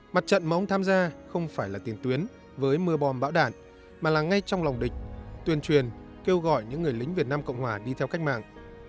mặt trận mà ông tham gia không phải là tiền tuyến với mưa bom bão đạn mà là ngay trong lòng địch tuyên truyền kêu gọi những người lính việt nam cộng hòa đi theo cách mạng